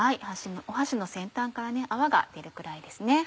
箸の先端から泡が出るくらいですね。